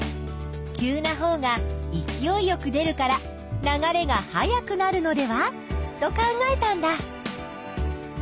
急なほうがいきおいよく出るから流れが速くなるのではと考えたんだ。